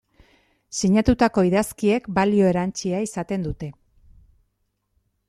Sinatutako idazkiek balio erantsia izaten dute.